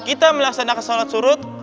kita melaksanakan sholat syuruk